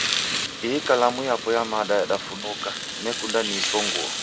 Ihi kalamu yapo ya mada yadufunuka, nekunda niisonguo.